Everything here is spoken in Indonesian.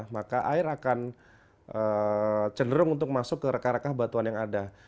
maka air akan cenderung untuk masuk ke rekah rekah batuan yang ada